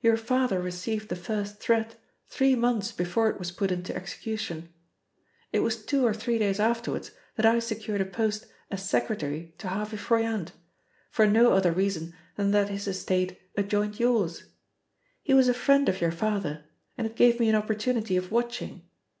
"Your father received the first threat three months before it was put into execution. It was two or three days afterwards that I secured a post as secretary to Harvey Froyant, for no other reason than that his estate adjoined yours. He was a friend of your father, and it gave me an opportunity of watching.